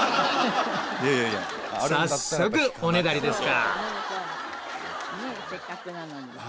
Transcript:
早速おねだりですか！